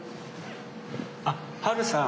あっハルさん